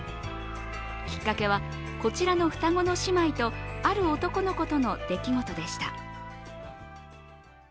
きっかけは、こちらの双子の姉妹とある男の子との出来事でした。